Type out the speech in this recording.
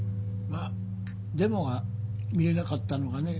まあデモが見れなかったのがね